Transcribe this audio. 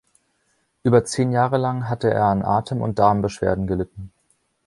Über zehn Jahre lang hatte er an Atem- und Darmbeschwerden gelitten.